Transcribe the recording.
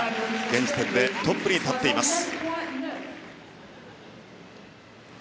現時点でトップに立っています。